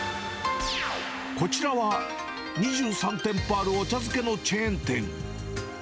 こちらは、２３店舗あるお茶漬けのチェーン店。